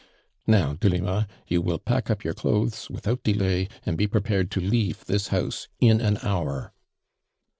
" Now, Delima, you will pack up your clothes without aeiay, and be prepared to leave this house in an hour."